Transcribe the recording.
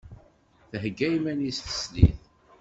Thegga iman-is teslit.